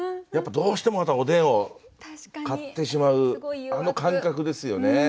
やっぱどうしてもおでんを買ってしまうあの感覚ですよね。